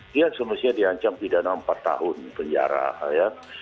dia seharusnya dihancam pidana empat tahun penjara ya